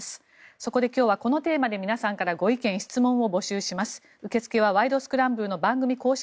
そこで今日はこのテーマで皆さんからご意見・質問を募集します。